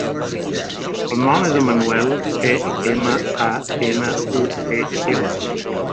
El nom és Emanuel: e, ema, a, ena, u, e, ela.